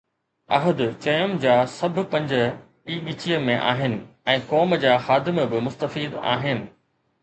احد چيم جا سڀ پنج ئي ڳچيءَ ۾ آهن ۽ قوم جا خادم به مستفيد آهن.